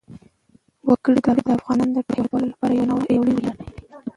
وګړي د افغانستان د ټولو هیوادوالو لپاره یو لوی ویاړ دی.